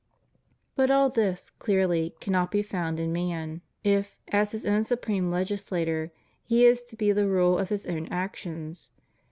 But all this, clearly, cannot be found in man, if, as his own supreme legislator, he is to be the rule of his own actions.